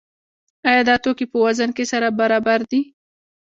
آیا دا توکي په وزن کې سره برابر دي؟